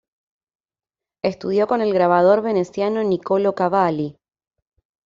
Estudió con el grabador veneciano Niccolo Cavalli.